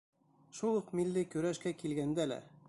Шул уҡ милли көрәшкә килгәндә лә.